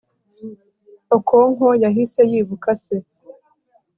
okonkwo yahise yibuka se